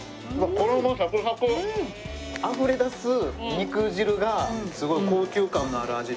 あふれ出す肉汁がすごい高級感のある味で。